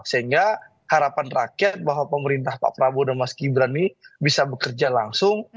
sehingga harapan rakyat bahwa pemerintah pak prabowo dan mas gibran ini bisa bekerja langsung